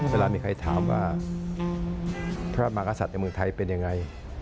เวลามีใครถามว่าพระมากษัตริย์ในเมืองไทยเป็นยังไง